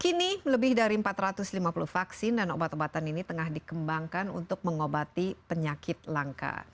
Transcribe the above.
kini lebih dari empat ratus lima puluh vaksin dan obat obatan ini tengah dikembangkan untuk mengobati penyakit langka